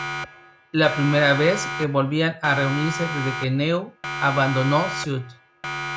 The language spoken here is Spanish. La primera vez que volvían a reunirse desde que Neil abandonó Suede.